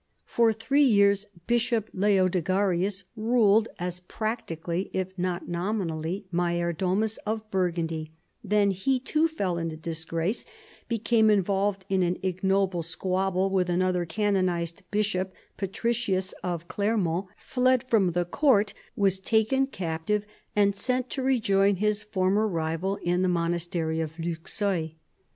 For three j'^ears Bishop Leodegarius ruled as practically, if not nominalh^, major domus of Burgundy; then he too fell into disgrace, became involved in an ignoble squabble with another can onized, bishop, Patricius of Clermont, fled from the court, was taken captive and sent to rejoin his former rival in the monastery of Luxeuil.